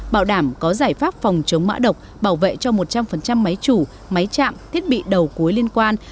bảo đảm có giải pháp phòng chống mã độc bảo vệ cho một trăm linh máy chủ máy chạm thiết bị đầu cuối liên quan